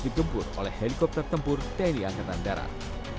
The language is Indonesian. digempur oleh helikopter tempur tni angkatan darat